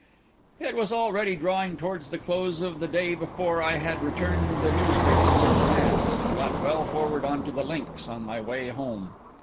It was already drawing towards the close of the day before I had returned the newspapers at the manse, and got well forward on to the links on my way home.